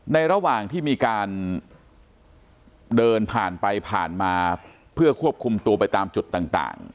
ระหว่างที่มีการเดินผ่านไปผ่านมาเพื่อควบคุมตัวไปตามจุดต่าง